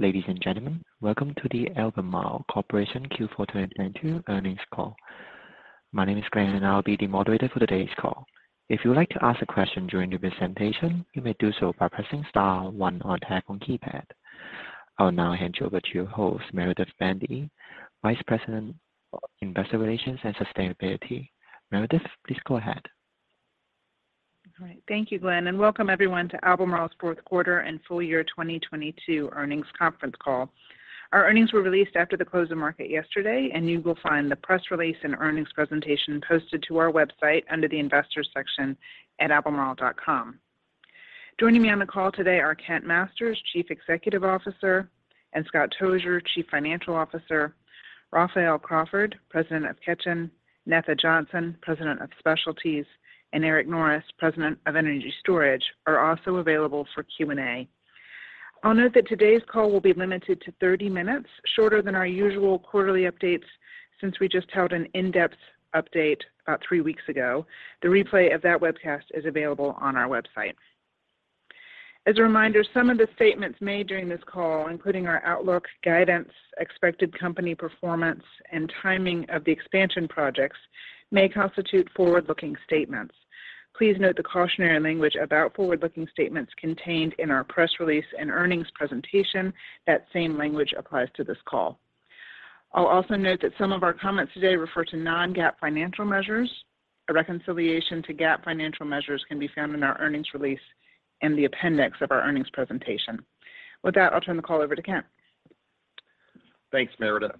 Ladies and gentlemen, welcome to the Albemarle Corporation Q4 2022 Earnings Call. My name is Glenn, and I'll be the moderator for today's call. If you would like to ask a question during the presentation, you may do so by pressing star one on a touch tone keypad. I'll now hand you over to your host, Meredith Bandy, Vice President of Investor Relations and Sustainability. Meredith, please go ahead. All right. Thank you, Glenn, and welcome everyone to Albemarle's 4th quarter and full year 2022 earnings conference call. Our earnings were released after the close of market yesterday, and you will find the press release and earnings presentation posted to our website under the investors section at albemarle.com. Joining me on the call today are Kent Masters, Chief Executive Officer, and Scott Tozier, Chief Financial Officer. Raphael Crawford, President of Ketjen, Netha Johnson, President of Specialties, and Eric Norris, President of Energy Storage, are also available for Q&A. I'll note that today's call will be limited to 30 minutes, shorter than our usual quarterly updates since we just held an in-depth update about 3 weeks ago. The replay of that webcast is available on our website. As a reminder, some of the statements made during this call, including our outlook, guidance, expected company performance, and timing of the expansion projects, may constitute forward-looking statements. Please note the cautionary language about forward-looking statements contained in our press release and earnings presentation. That same language applies to this call. I'll also note that some of our comments today refer to non-GAAP financial measures. A reconciliation to GAAP financial measures can be found in our earnings release and the appendix of our earnings presentation. With that, I'll turn the call over to Kent. Thanks, Meredith.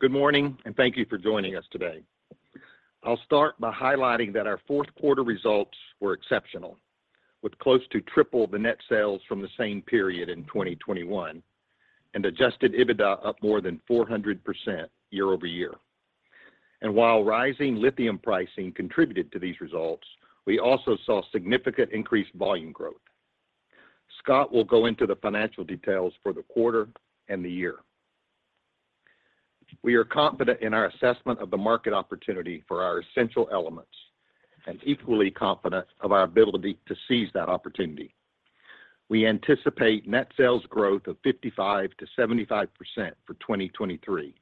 Good morning, and thank you for joining us today. I'll start by highlighting that our fourth quarter results were exceptional, with close to triple the net sales from the same period in 2021 and adjusted EBITDA up more than 400% year-over-year. While rising lithium pricing contributed to these results, we also saw significant increased volume growth. Scott will go into the financial details for the quarter and the year. We are confident in our assessment of the market opportunity for our essential elements and equally confident of our ability to seize that opportunity. We anticipate net sales growth of 55%-75% for 2023.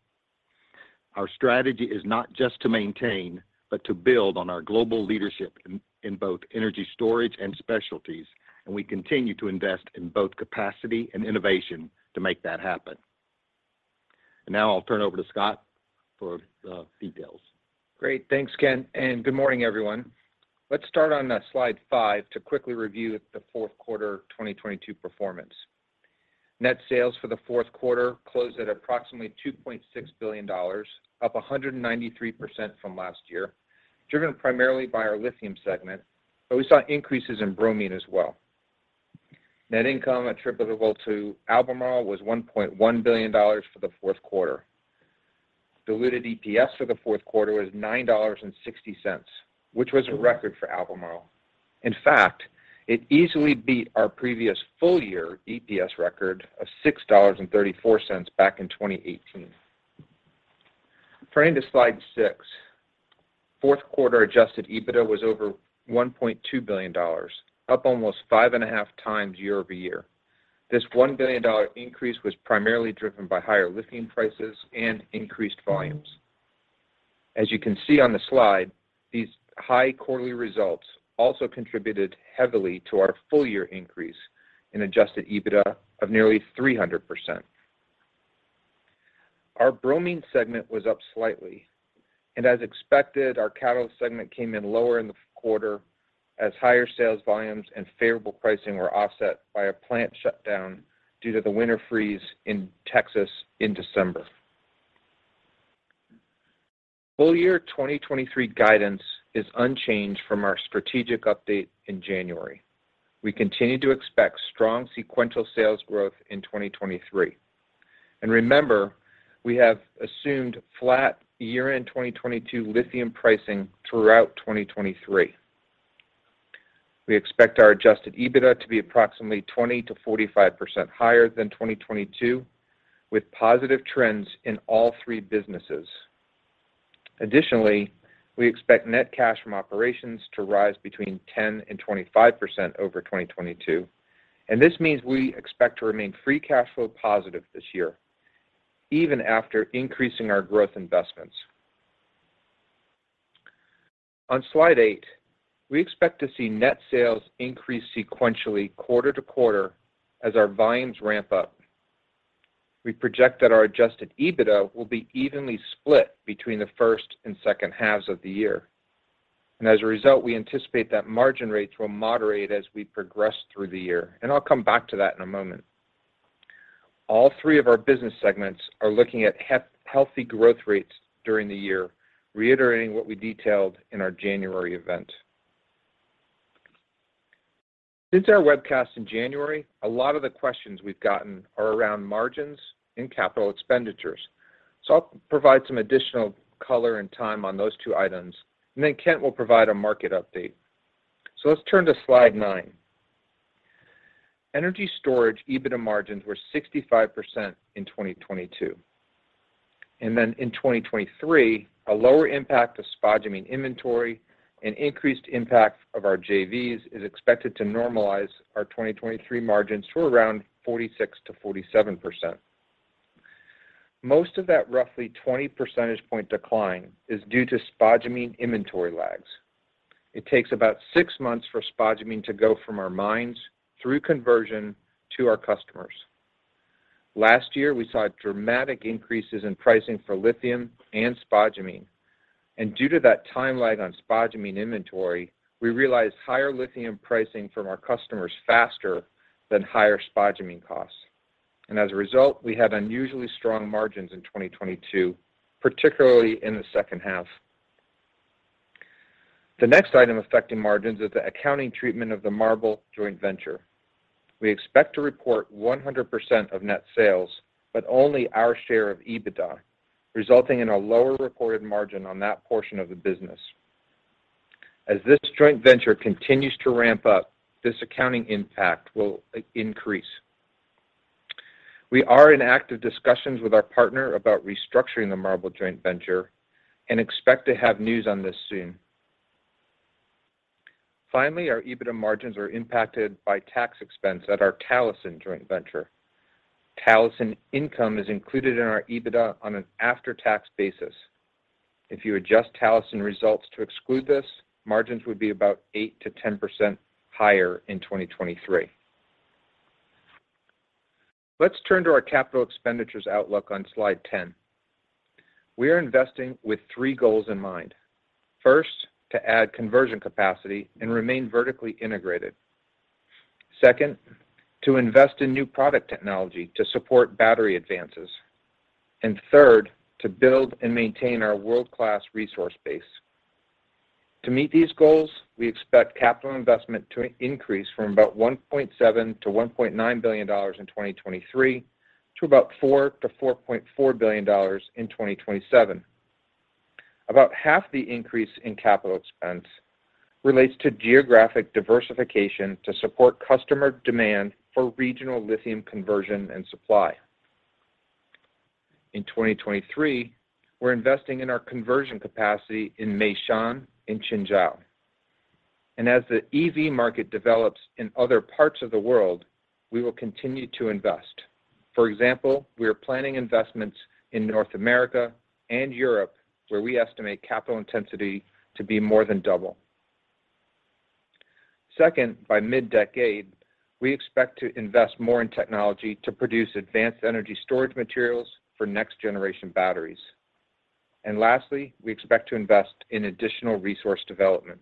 Our strategy is not just to maintain, but to build on our global leadership in both Energy Storage and Specialties, we continue to invest in both capacity and innovation to make that happen. Now I'll turn over to Scott for the details. Great. Thanks, Kent. Good morning, everyone. Let's start on slide 5 to quickly review the fourth quarter 2022 performance. Net sales for the fourth quarter closed at approximately $2.6 billion, up 193% from last year, driven primarily by our lithium segment, but we saw increases in bromine as well. Net income attributable to Albemarle was $1.1 billion for the fourth quarter. Diluted EPS for the fourth quarter was $9.60, which was a record for Albemarle. In fact, it easily beat our previous full year EPS record of $6.34 back in 2018. Turning to slide six. Fourth quarter adjusted EBITDA was over $1.2 billion, up almost five and a half times year-over-year. This $1 billion increase was primarily driven by higher lithium prices and increased volumes. As you can see on the slide, these high quarterly results also contributed heavily to our full year increase in adjusted EBITDA of nearly 300%. Our bromine segment was up slightly. As expected, our catalyst segment came in lower in the quarter as higher sales volumes and favorable pricing were offset by a plant shutdown due to the winter freeze in Texas in December. Full year 2023 guidance is unchanged from our strategic update in January. We continue to expect strong sequential sales growth in 2023. Remember, we have assumed flat year-end 2022 lithium pricing throughout 2023. We expect our adjusted EBITDA to be approximately 20%-45% higher than 2022, with positive trends in all three businesses. Additionally, we expect net cash from operations to rise between 10% and 25% over 2022. This means we expect to remain free cash flow positive this year, even after increasing our growth investments. On slide eight, we expect to see net sales increase sequentially quarter-to-quarter as our volumes ramp up. We project that our adjusted EBITDA will be evenly split between the first and second halves of the year. As a result, we anticipate that margin rates will moderate as we progress through the year, and I'll come back to that in a moment. All three of our business segments are looking at healthy growth rates during the year, reiterating what we detailed in our January event. Since our webcast in January, a lot of the questions we've gotten are around margins and capital expenditures. I'll provide some additional color and time on those two items, then Kent will provide a market update. Let's turn to slide nine. Energy Storage EBITDA margins were 65% in 2022. In 2023, a lower impact of spodumene inventory and increased impact of our JVs is expected to normalize our 2023 margins to around 46%-47%. Most of that roughly 20 percentage point decline is due to spodumene inventory lags. It takes about six months for spodumene to go from our mines through conversion to our customers. Last year, we saw dramatic increases in pricing for lithium and spodumene. Due to that timeline on spodumene inventory, we realized higher lithium pricing from our customers faster than higher spodumene costs. As a result, we had unusually strong margins in 2022, particularly in the second half. The next item affecting margins is the accounting treatment of the MARBL joint venture. We expect to report 100% of net sales, but only our share of EBITDA, resulting in a lower reported margin on that portion of the business. As this joint venture continues to ramp up, this accounting impact will increase. We are in active discussions with our partner about restructuring the MARBL joint venture and expect to have news on this soon. Our EBITDA margins are impacted by tax expense at our Talison joint venture. Talison income is included in our EBITDA on an after-tax basis. If you adjust Talison results to exclude this, margins would be about 8%-10% higher in 2023. Let's turn to our capital expenditures outlook on slide 10. We are investing with three goals in mind. First, to add conversion capacity and remain vertically integrated. Second, to invest in new product technology to support battery advances. Third, to build and maintain our world-class resource base. To meet these goals, we expect capital investment to increase from about $1.7-$1.9 billion in 2023 to about $4-$4.4 billion in 2027. About half the increase in capital expense relates to geographic diversification to support customer demand for regional lithium conversion and supply. In 2023, we're investing in our conversion capacity in Meishan and Qinzhou. As the EV market develops in other parts of the world, we will continue to invest. For example, we are planning investments in North America and Europe, where we estimate capital intensity to be more than double. Second, by mid-decade, we expect to invest more in technology to produce advanced energy storage materials for next-generation batteries. Lastly, we expect to invest in additional resource development.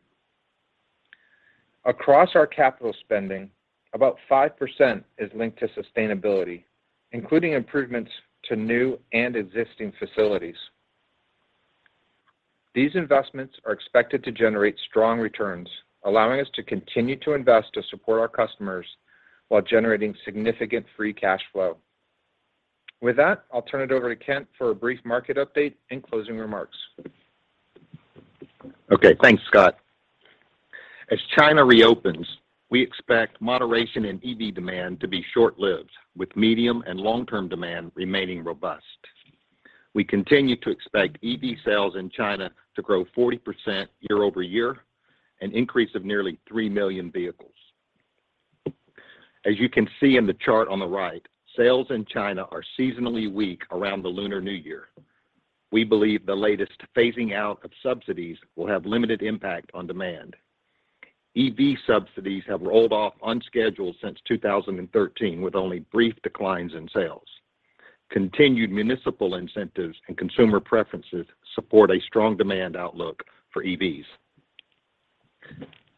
Across our capital spending, about 5% is linked to sustainability, including improvements to new and existing facilities. These investments are expected to generate strong returns, allowing us to continue to invest to support our customers while generating significant free cash flow. With that, I'll turn it over to Kent for a brief market update and closing remarks. Okay. Thanks, Scott. As China reopens, we expect moderation in EV demand to be short-lived, with medium and long-term demand remaining robust. We continue to expect EV sales in China to grow 40% year-over-year, an increase of nearly 3 million vehicles. As you can see in the chart on the right, sales in China are seasonally weak around the Lunar New Year. We believe the latest phasing out of subsidies will have limited impact on demand. EV subsidies have rolled off on schedule since 2013, with only brief declines in sales. Continued municipal incentives and consumer preferences support a strong demand outlook for EVs.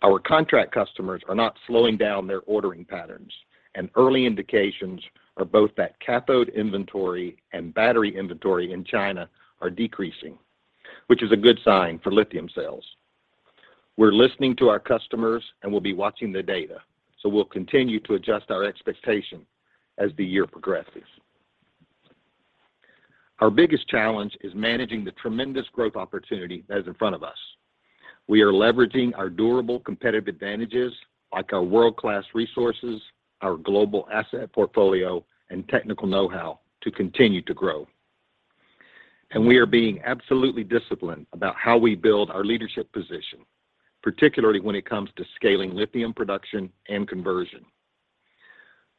Our contract customers are not slowing down their ordering patterns, and early indications are both that cathode inventory and battery inventory in China are decreasing, which is a good sign for lithium sales. We're listening to our customers, and we'll be watching the data, so we'll continue to adjust our expectation as the year progresses. Our biggest challenge is managing the tremendous growth opportunity that is in front of us. We are leveraging our durable competitive advantages, like our world-class resources, our global asset portfolio, and technical know-how to continue to grow. We are being absolutely disciplined about how we build our leadership position, particularly when it comes to scaling lithium production and conversion.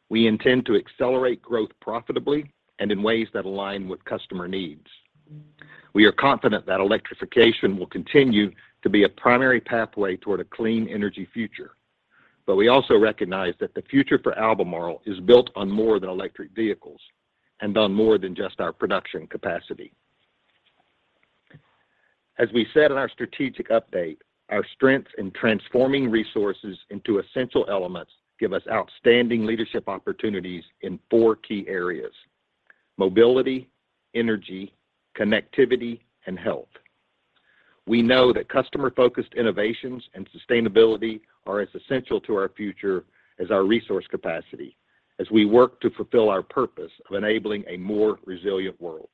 We intend to accelerate growth profitably and in ways that align with customer needs. We are confident that electrification will continue to be a primary pathway toward a clean energy future, but we also recognize that the future for Albemarle is built on more than electric vehicles and on more than just our production capacity. As we said in our strategic update, our strength in transforming resources into essential elements give us outstanding leadership opportunities in four key areas: mobility, energy, connectivity, and health. We know that customer-focused innovations and sustainability are as essential to our future as our resource capacity as we work to fulfill our purpose of enabling a more resilient world.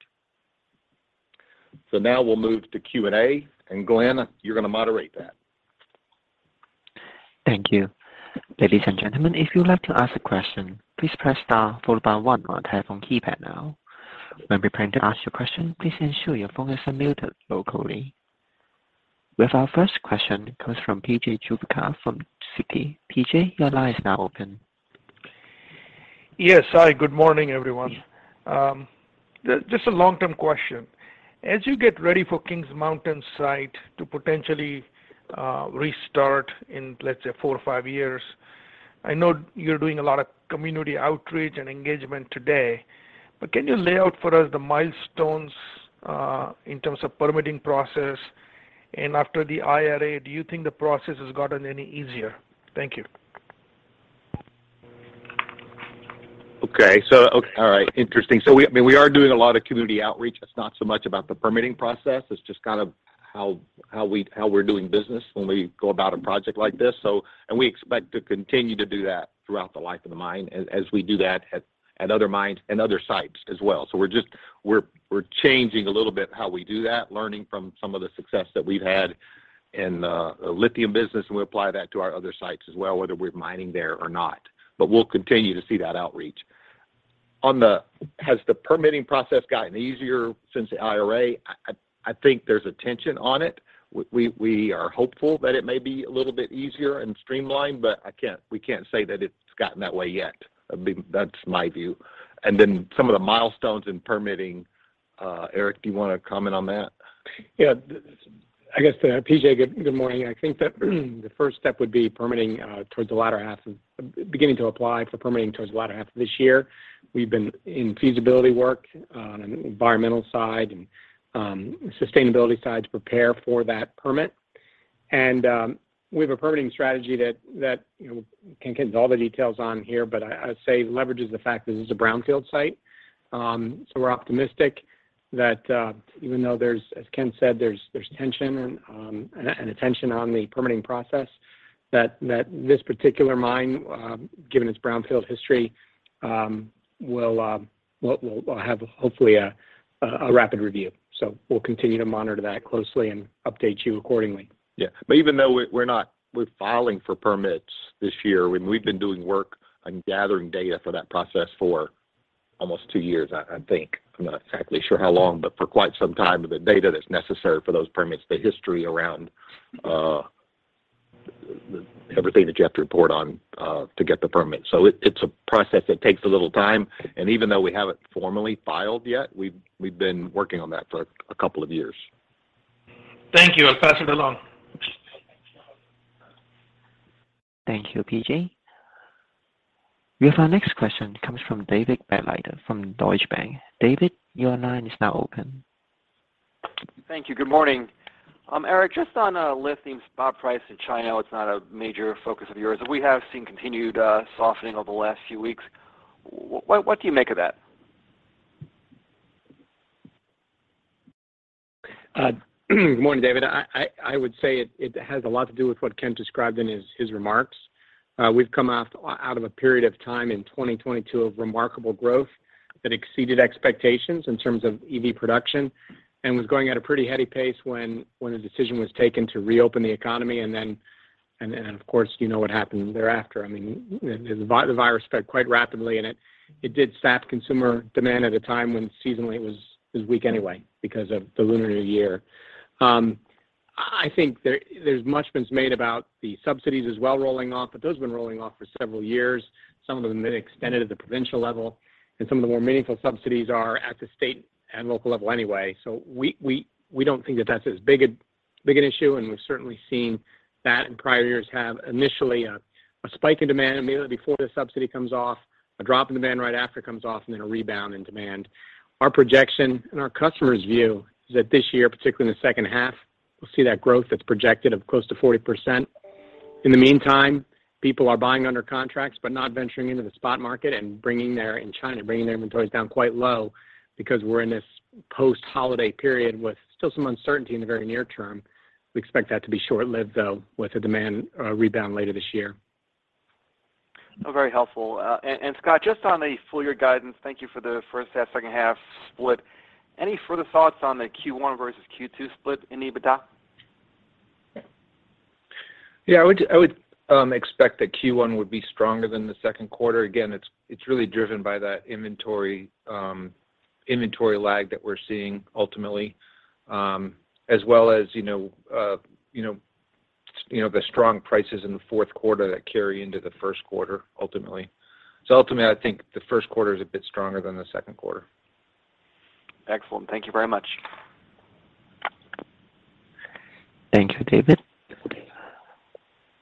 Now we'll move to Q&A. Glenn, you're going to moderate that. Thank you. Ladies and gentlemen, if you would like to ask a question, please press star followed by one on your telephone keypad now. When preparing to ask your question, please ensure your phone is unmuted locally. We have our first question comes from P.J. Juvekar from Citi. P.J., your line is now open. Yes. Hi, good morning, everyone. Just a long-term question. As you get ready for Kings Mountain site to potentially restart in, let's say, four or five years, I know you're doing a lot of community outreach and engagement today. Can you lay out for us the milestones in terms of permitting process? After the IRA, do you think the process has gotten any easier? Thank you. All right. Interesting. I mean, we are doing a lot of community outreach. It's not so much about the permitting process. It's just kind of how we're doing business when we go about a project like this. We expect to continue to do that throughout the life of the mine as we do that at other mines and other sites as well. We're just changing a little bit how we do that, learning from some of the success that we've had in the lithium business, and we apply that to our other sites as well, whether we're mining there or not. We'll continue to see that outreach. Has the permitting process gotten easier since the IRA? I think there's attention on it. We are hopeful that it may be a little bit easier and streamlined, but we can't say that it's gotten that way yet. I mean, that's my view. Then some of the milestones in permitting, Eric, do you wanna comment on that? Yeah. I guess, P.J., good morning. I think that the first step would be permitting towards the latter half of this year. We've been in feasibility work on an environmental side and sustainability side to prepare for that permit. We have a permitting strategy that, you know, can't get into all the details on here, but I would say leverages the fact that this is a brownfield site. We're optimistic that even though there's, as Ken said, there's tension and an attention on the permitting process that this particular mine, given its brownfield history, will have hopefully a rapid review. We'll continue to monitor that closely and update you accordingly. Yeah. Even though we're filing for permits this year, and we've been doing work on gathering data for that process for almost two years, I think. I'm not exactly sure how long, but for quite some time, the data that's necessary for those permits, the history around everything that you have to report on to get the permit. It's a process that takes a little time. Even though we haven't formally filed yet, we've been working on that for a couple of years. Thank you. I'll pass it along. Thank you, P.J. We have our next question comes from David Begleiter from Deutsche Bank. David, your line is now open. Thank you. Good morning. Eric, just on lithium spot price in China, it's not a major focus of yours. We have seen continued softening over the last few weeks. What do you make of that? Good morning, David. I would say it has a lot to do with what Ken described in his remarks. We've come out of a period of time in 2022 of remarkable growth that exceeded expectations in terms of EV production and was going at a pretty heady pace when a decision was taken to reopen the economy. Of course, you know what happened thereafter. I mean, the virus spread quite rapidly, and it did sap consumer demand at a time when seasonally was weak anyway because of the Lunar New Year. I think there's much been made about the subsidies as well rolling off, but those have been rolling off for several years. Some of them have been extended at the provincial level, and some of the more meaningful subsidies are at the state and local level anyway. We don't think that that's as big an issue, and we've certainly seen that in prior years have initially a spike in demand immediately before the subsidy comes off, a drop in demand right after it comes off, and then a rebound in demand. Our projection and our customers' view is that this year, particularly in the second half, we'll see that growth that's projected of close to 40%. In the meantime, people are buying under contracts but not venturing into the spot market and in China, bringing their inventories down quite low because we're in this post-holiday period with still some uncertainty in the very near term. We expect that to be short-lived, though, with the demand rebound later this year. Oh, very helpful. Scott, just on the full year guidance, thank you for the first half, second half split. Any further thoughts on the Q1 versus Q2 split in EBITDA? Yeah, I would expect that Q1 would be stronger than the second quarter. Again, it's really driven by that inventory lag that we're seeing ultimately, as well as, you know, the strong prices in the fourth quarter that carry into the first quarter ultimately. Ultimately, I think the first quarter is a bit stronger than the second quarter. Excellent. Thank you very much. Thank you, David.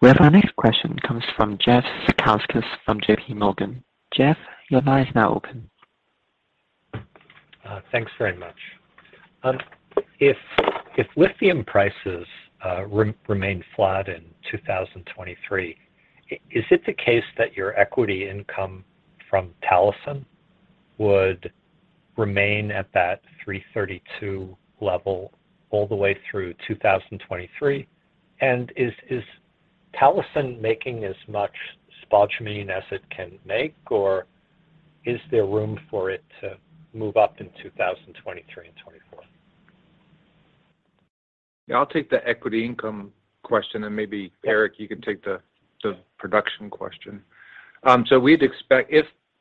We have our next question comes from Jeffrey Zekauskas from JPMorgan. Jeff, your line is now open. Thanks very much. If lithium prices remain flat in 2023, is it the case that your equity income from Talison would remain at that $332 level all the way through 2023? Is Talison making as much spodumene as it can make, or is there room for it to move up in 2023 and 2024? Yeah, I'll take the equity income question, and maybe Eric, you can take the production question. We'd expect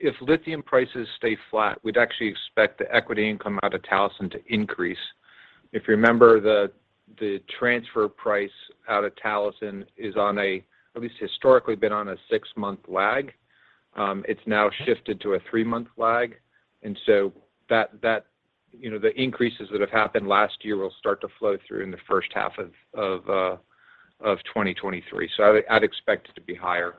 if lithium prices stay flat, we'd actually expect the equity income out of Talison to increase. If you remember, the transfer price out of Talison is on a, at least historically, been on a six-month lag. It's now shifted to a three-month lag. That, you know, the increases that have happened last year will start to flow through in the first half of 2023. I'd expect it to be higher.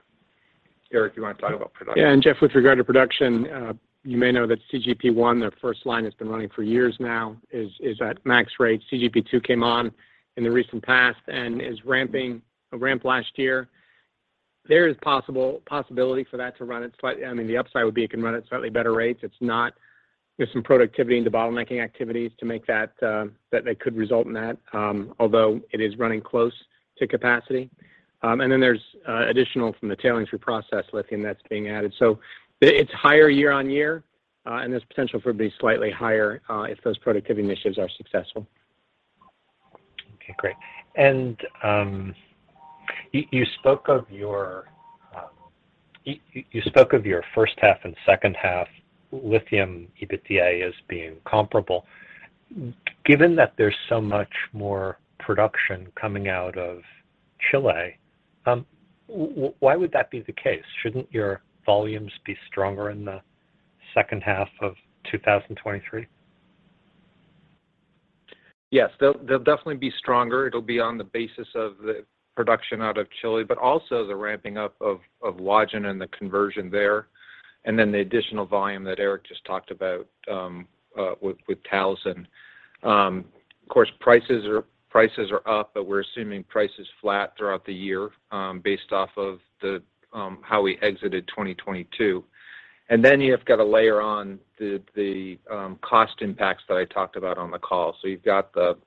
Eric, you want to talk about production? Yeah. Jeff, with regard to production, you may know that CGP1, their first line has been running for years now, is at max rate. CGP2 came on in the recent past and is ramping a ramp last year. There is possibility for that to run. I mean, the upside would be it can run at slightly better rates. There's some productivity in the bottlenecking activities to make that that they could result in that, although it is running close to capacity. Then there's additional from the tailings reprocess lithium that's being added. It's higher year-on-year, and there's potential for it to be slightly higher if those productivity initiatives are successful. Okay, great. you spoke of your first half and second half lithium EBITDA as being comparable. Given that there's so much more production coming out of Chile, why would that be the case? Shouldn't your volumes be stronger in the second half of 2023? Yes. They'll definitely be stronger. It'll be on the basis of the production out of Chile, but also the ramping up of Qinzhou and the conversion there, and then the additional volume that Eric just talked about with Talison. Of course, prices are up, but we're assuming price is flat throughout the year based off of the how we exited 2022. You've got to layer on the cost impacts that I talked about on the call. You've got the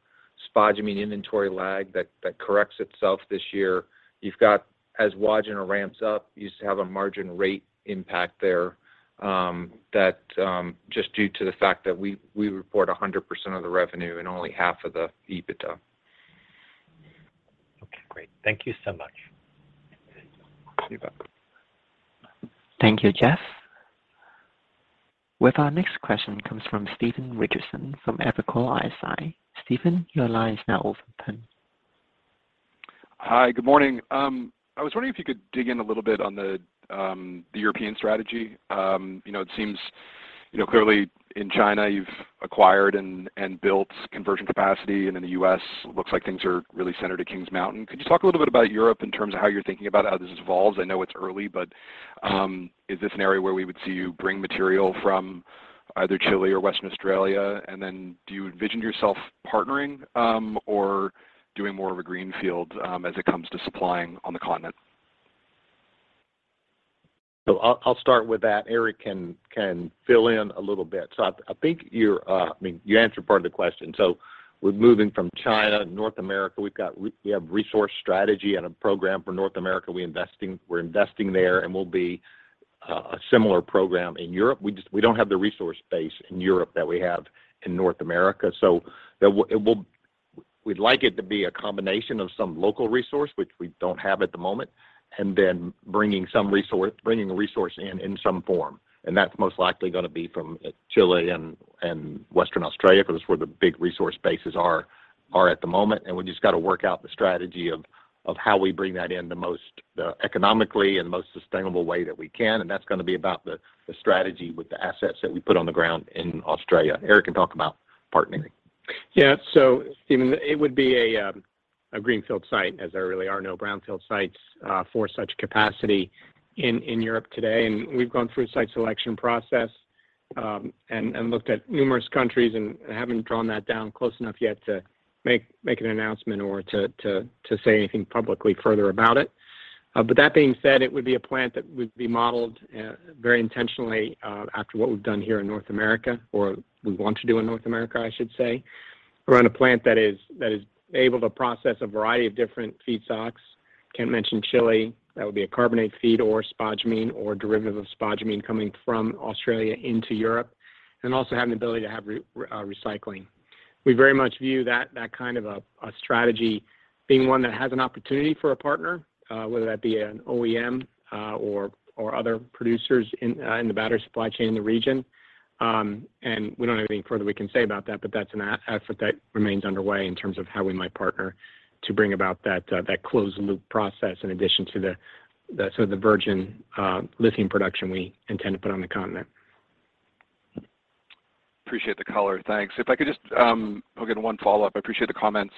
spodumene inventory lag that corrects itself this year. You've got, as Qinzhou ramps up, you have a margin rate impact there that just due to the fact that we report 100% of the revenue and only half of the EBITDA. Okay, great. Thank you so much. You bet. Thank you, Jeff. With our next question comes from Stephen Richardson from Evercore ISI. Stephen, your line is now open. Hi. Good morning. I was wondering if you could dig in a little bit on the European strategy. You know, it seems, you know, clearly in China you've acquired and built conversion capacity, and in the U.S. looks like things are really centered at Kings Mountain. Could you talk a little bit about Europe in terms of how you're thinking about how this evolves? I know it's early, but, is this an area where we would see you bring material from either Chile or Western Australia? Do you envision yourself partnering, or doing more of a greenfield, as it comes to supplying on the continent? I'll start with that. Eric can fill in a little bit. I think you're, I mean, you answered part of the question. We're moving from China, North America. We've got we have resource strategy and a program for North America. We're investing there, and we'll be a similar program in Europe. We don't have the resource base in Europe that we have in North America. We'd like it to be a combination of some local resource, which we don't have at the moment, and then bringing a resource in in some form. That's most likely gonna be from Chile and Western Australia because that's where the big resource bases are at the moment. We just got to work out the strategy of how we bring that in the most economically and the most sustainable way that we can. That's gonna be about the strategy with the assets that we put on the ground in Australia. Eric can talk about partnering. Stephen, it would be a greenfield site as there really are no brownfield sites for such capacity in Europe today. We've gone through site selection process and looked at numerous countries and haven't drawn that down close enough yet to make an announcement or to say anything publicly further about it. That being said, it would be a plant that would be modeled very intentionally after what we've done here in North America, or we want to do in North America, I should say. Run a plant that is able to process a variety of different feedstocks. Kent mentioned Chile. That would be a carbonate feed or spodumene or derivative of spodumene coming from Australia into Europe, and also have an ability to have recycling. We very much view that kind of a strategy being one that has an opportunity for a partner, whether that be an OEM, or other producers in the battery supply chain in the region. We don't have anything further we can say about that, but that's an effort that remains underway in terms of how we might partner to bring about that closed loop process in addition to the sort of the virgin, lithium production we intend to put on the continent. Appreciate the color. Thanks. If I could just, I'll get 1 follow-up. I appreciate the comments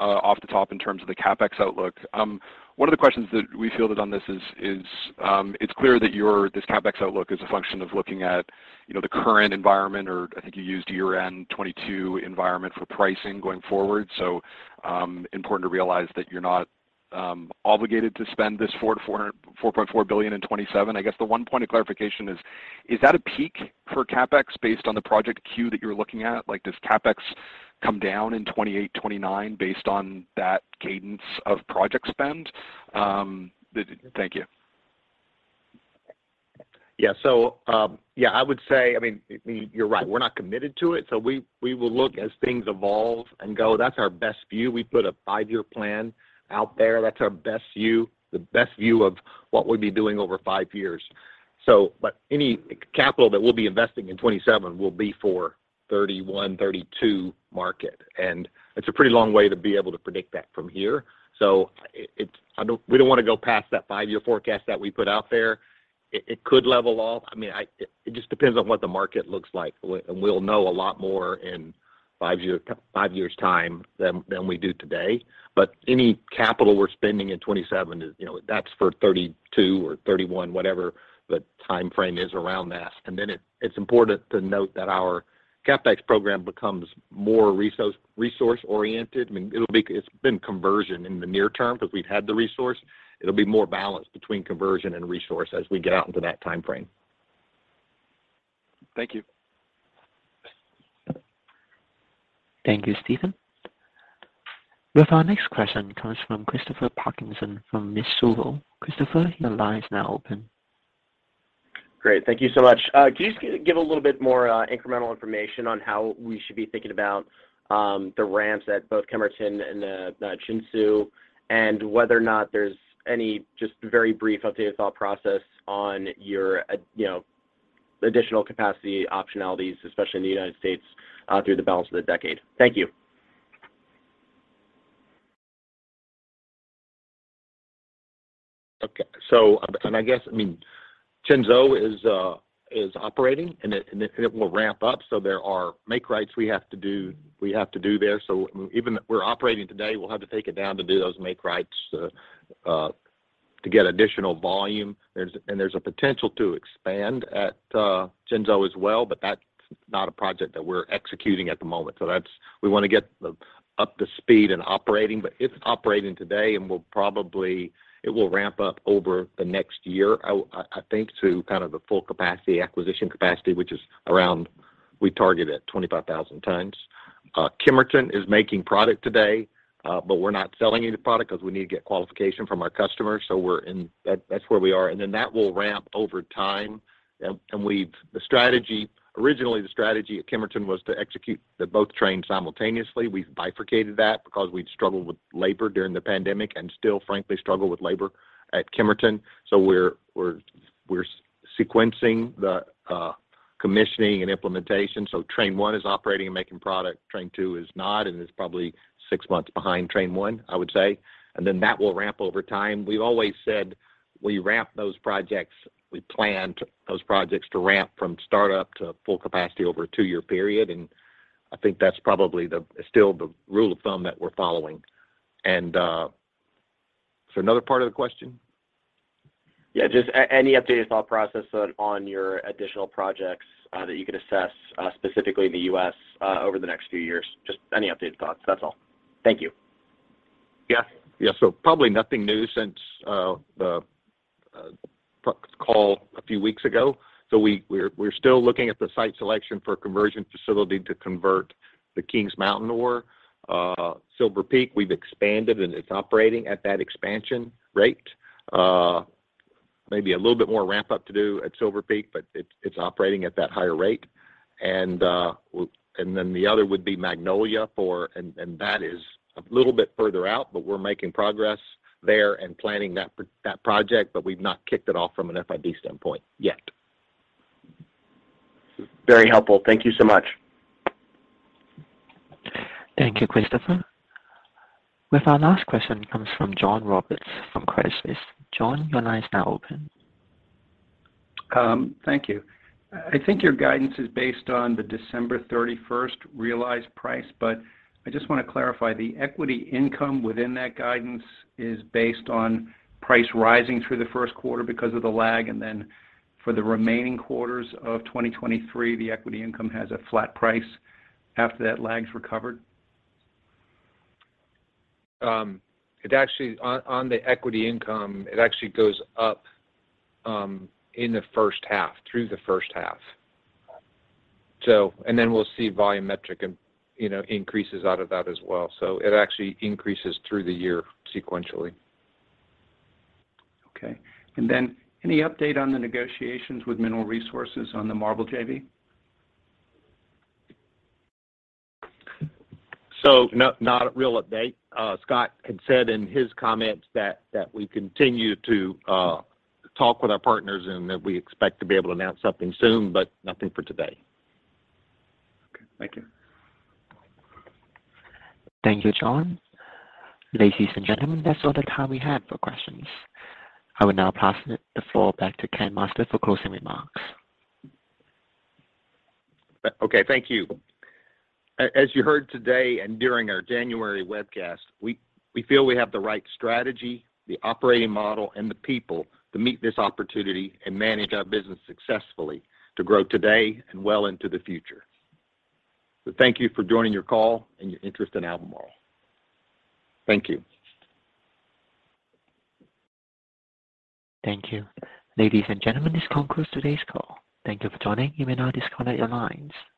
off the top in terms of the CapEx outlook. One of the questions that we feel that on this is, it's clear that this CapEx outlook is a function of looking at, you know, the current environment or I think you used year-end 2022 environment for pricing going forward. Important to realize that you're not obligated to spend this $4.4 billion in 2027. I guess the 1 point of clarification is that a peak for CapEx based on the project queue that you're looking at? Like, does CapEx come down in 2028, 2029 based on that cadence of project spend? Thank you. Yeah. I would say, I mean, you're right. We're not committed to it, so we will look as things evolve and go. That's our best view. We put a five-year plan out there. That's our best view, the best view of what we'd be doing over five years. Any capital that we'll be investing in 27 will be for 31, 32 market. It's a pretty long way to be able to predict that from here. It's we don't wanna go past that five-year forecast that we put out there. It could level off. I mean, it just depends on what the market looks like. We'll know a lot more in five years' time than we do today. Any capital we're spending in 27 is, you know, that's for 32 or 31, whatever the timeframe is around that. Then it's important to note that our CapEx program becomes more resource-oriented. I mean, it's been conversion in the near term because we've had the resource. It'll be more balanced between conversion and resource as we get out into that timeframe. Thank you. Thank you, Stephen. Our next question comes from Christopher Parkinson from Mizuho. Christopher, your line is now open. Great. Thank you so much. Can you just give a little bit more incremental information on how we should be thinking about the ramps at both Kemerton and Qinzhou and whether or not there's any just very brief update of thought process on your, you know, additional capacity optionalities, especially in the United States, through the balance of the decade? Thank you. I guess, I mean, Qinzhou is operating, and it will ramp up, so there are make rights we have to do there. Even we're operating today, we'll have to take it down to do those make rights to get additional volume. There's a potential to expand at Qinzhou as well, but that's not a project that we're executing at the moment. We wanna get the up to speed and operating. It's operating today, and it will ramp up over the next year, I think to kind of the full capacity, acquisition capacity, which is around we target at 25,000 tons. Kemerton is making product today, but we're not selling any product because we need to get qualification from our customers. That's where we are. Then that will ramp over time. The strategy originally, the strategy at Kemerton was to execute the both trains simultaneously. We've bifurcated that because we'd struggled with labor during the pandemic and still, frankly, struggle with labor at Kemerton. We're sequencing the commissioning and implementation. Train one is operating and making product. Train two is not, and it's probably six months behind train one, I would say. Then that will ramp over time. We've always said we ramp those projects. We plan to those projects to ramp from start up to full capacity over a two-year period, and I think that's probably the still the rule of thumb that we're following. Is there another part of the question? Yeah. Just any updated thought process on your additional projects that you could assess specifically in the U.S. over the next few years? Just any updated thoughts. That's all. Thank you. Yeah. Yeah. Probably nothing new since the call a few weeks ago. We're still looking at the site selection for a conversion facility to convert the Kings Mountain ore. Silver Peak, we've expanded, and it's operating at that expansion rate. Maybe a little bit more ramp up to do at Silver Peak, but it's operating at that higher rate. The other would be Magnolia for... and that is a little bit further out, but we're making progress there and planning that project, but we've not kicked it off from an FID standpoint yet. Very helpful. Thank you so much. Thank you, Christopher. With our last question comes from John Roberts from Credit Suisse. John, your line is now open. Thank you. I think your guidance is based on the December 31st realized price. I just wanna clarify, the equity income within that guidance is based on price rising through the 1st quarter because of the lag, for the remaining quarters of 2023, the equity income has a flat price after that lag's recovered? It actually on the equity income, it actually goes up in the first half, through the first half. We'll see volume metric and, you know, increases out of that as well. It actually increases through the year sequentially. Okay. Then any update on the negotiations with Mineral Resources on the MARBL JV? Not a real update. Scott had said in his comments that we continue to talk with our partners and that we expect to be able to announce something soon, but nothing for today. Okay. Thank you. Thank you, John. Ladies and gentlemen, that's all the time we have for questions. I will now pass the floor back to Kent Masters for closing remarks. Okay. Thank you. As you heard today and during our January webcast, we feel we have the right strategy, the operating model, and the people to meet this opportunity and manage our business successfully to grow today and well into the future. Thank you for joining your call and your interest in Albemarle. Thank you. Thank you. Ladies and gentlemen, this concludes today's call. Thank you for joining. You may now disconnect your lines.